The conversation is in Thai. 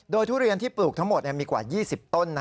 โดยทุเรียนที่ปลูกทั้งหมดมีกว่า๒๐ต้น